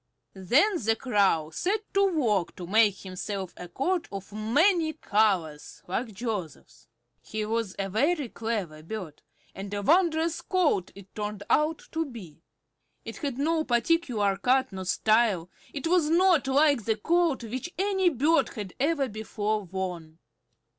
Then the Crow set to work to make himself a coat of many colors, like Joseph's. He was a very clever bird, and a wondrous coat it turned out to be. It had no particular cut nor style; it was not like the coat which any bird had ever before worn.